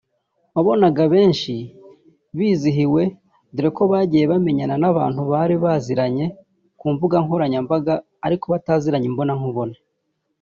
wabonaga benshi bizihiwe dore ko bagiye bamenyenya n’abantu bari baziranye ku mbuga nkoranyamabaga ariko bataziranye imbona nkubone